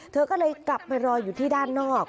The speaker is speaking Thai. เธอก็เลยกลับไปรออยู่ที่ด้านนอก